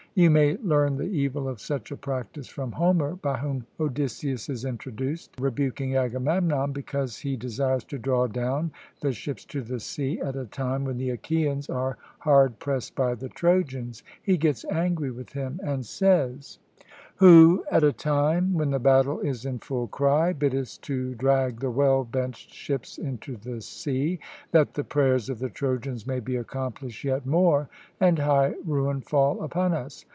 You may learn the evil of such a practice from Homer, by whom Odysseus is introduced, rebuking Agamemnon, because he desires to draw down the ships to the sea at a time when the Achaeans are hard pressed by the Trojans, he gets angry with him, and says: 'Who, at a time when the battle is in full cry, biddest to drag the well benched ships into the sea, that the prayers of the Trojans may be accomplished yet more, and high ruin fall upon us.